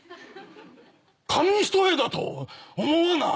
紙一重だと思わない？